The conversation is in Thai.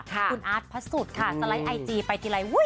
คุณอาร์ตพระสุทธิ์ค่ะสไลด์ไอจีไปทีไร